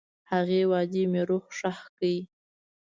هغې وعدې مې روح ښخ کړ.